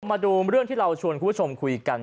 มาดูเรื่องที่เราชวนคุณผู้ชมคุยกัน